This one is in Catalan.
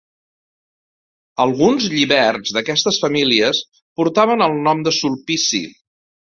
Alguns lliberts d'aquestes famílies portaven el nom de Sulpici.